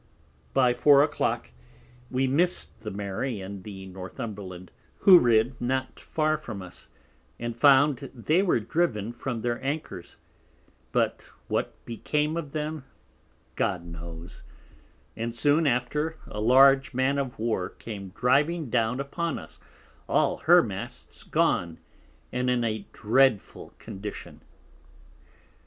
By Four a clock we miss'd the Mary and the Northumberland, who rid not far from us, and found they were driven from their Anchors; but what became of them, God knows: and soon after a large Man of War came driving down upon us, all her Masts gone, and in a dreadful Condition.